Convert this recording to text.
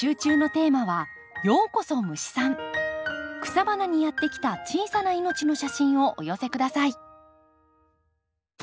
草花にやって来た小さな命の写真をお寄せ下さい。